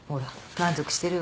満足してるわ。